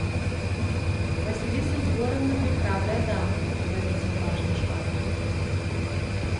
– Василиса Егоровна прехрабрая дама, – заметил важно Швабрин.